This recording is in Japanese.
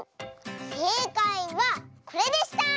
⁉せいかいはこれでした！